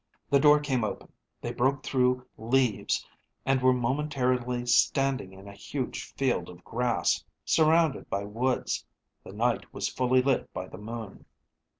The door came open, they broke through leaves, and were momentarily standing in a huge field of grass, surrounded by woods. The night was fully lit by the moon.